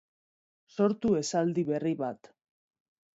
Sortu esaldi berri bat.